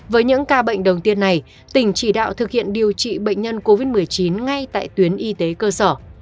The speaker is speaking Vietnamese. với những ca bệnh đầu tiên này tỉnh chỉ đạo thực hiện điều trị bệnh nhân covid một mươi chín ngay tại tuyến y tế cơ sở